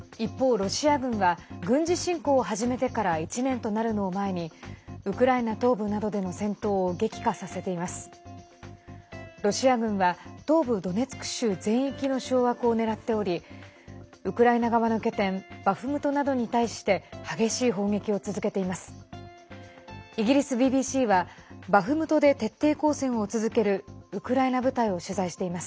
ロシア軍は東部ドネツク州全域の掌握を狙っておりウクライナ側の拠点バフムトなどに対して激しい砲撃を続けています。